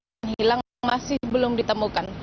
yang hilang masih belum ditemukan